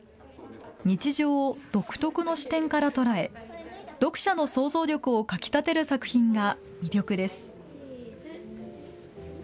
日常を独特の視点から捉え読者の想像力をかきたてる作品が魅力です。